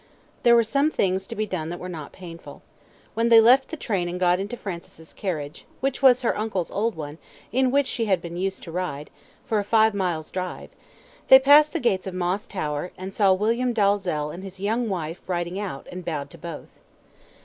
There were some things to be done that were not painful. When they left the train and got into Francis' carriage which was her uncle's old one, in which she had been used to ride for a five miles drive, they passed the gates of Moss Tower, and saw William Dalzell and his young wife riding out, and bowed to both.